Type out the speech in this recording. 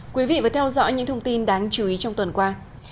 quý vị vừa theo dõi những thông tin đáng chú ý trong tuần qua